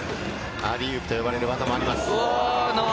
アーリーウープと呼ばれる技もあります。